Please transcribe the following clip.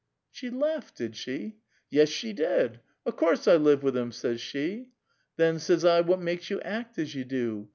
'"'' She laughed, did she?" "Yes, she did. ' O' course I live with him,' says she. 'Then,' says I, ' what makes you act as you do?